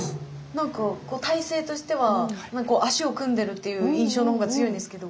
なんか体勢としては足を組んでるっていう印象の方が強いんですけど。